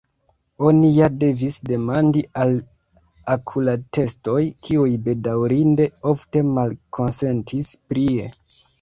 Oni ja devis demandi al okulatestoj kiuj bedaŭrinde ofte malkonsentis prie.